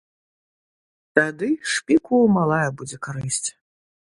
Тады шпіку малая будзе карысць.